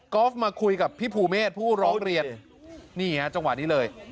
ก็มาคุยกับพี่ภูเมฆผู้ร้องเรียนนี่ฮะจังหวะนี้เลย